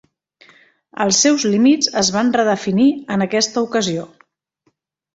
Els seus límits es van redefinir en aquesta ocasió.